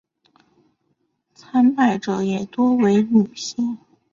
参拜者也多为女性。